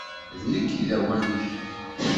D nekk i d awanek!